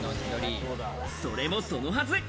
それもそのはず。